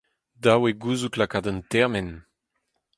Dav eo gouzout lakaat un termen.